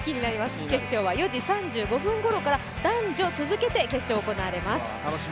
決勝は４時３５分ごろから男女続けて決勝が行われます。